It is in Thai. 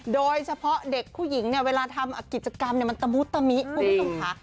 โดยเฉพาะเด็กผู้หญิงเนี่ยเวลาทำกิจกรรมมันตะมุตมิคุณผู้ชมค่ะ